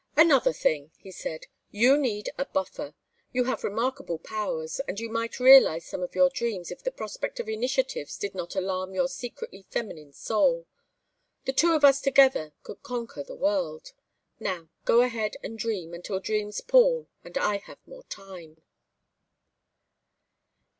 "Another thing " he said. "You need a buffer. You have remarkable powers, and you might realize some of your dreams if the prospect of initiatives did not alarm your secretly feminine soul. The two of us together could conquer the world. Now go ahead and dream until dreams pall and I have more time."